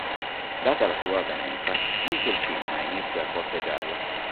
Data la sua avvenenza, anche il cinema inizia a corteggiarla.